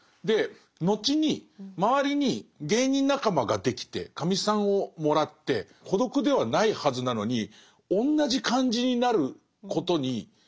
で後に周りに芸人仲間ができてカミさんをもらって孤独ではないはずなのにおんなじ感じになることに。